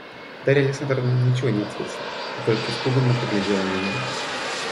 Дарья Александровна ничего не ответила и только испуганно поглядела на него.